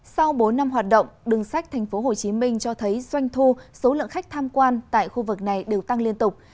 sau bốn năm hoạt động đường sách tp hcm cho thấy doanh thu số lượng khách tham quan tại khu vực này đều tăng liên tục